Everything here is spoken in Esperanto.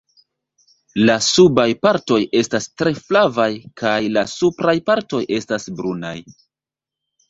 La subaj partoj estas tre flavaj kaj la supraj partoj estas brunaj.